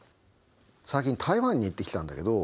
最近台湾に行ってきたんだけど。